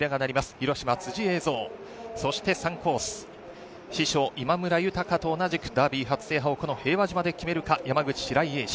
広島、辻栄蔵、そして３コース、師匠、今村豊と同じくダービー初制覇をこの平和島で決めるか、山口・白井英治。